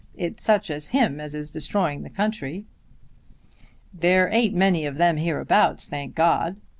It's such as him as is destroying the country." "There ain't many of them hereabouts, thank God!"